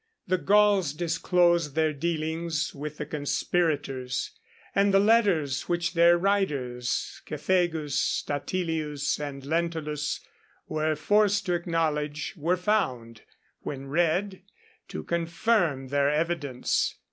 The Gauls disclosed their dealings with the conspirators; and the letters, which their writers, Cethegus, Statilius, and Lentulus, were forced to acknowledge, were found, when read, to confirm their evidence.